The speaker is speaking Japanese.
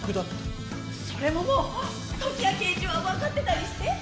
それももう時矢刑事はわかってたりして？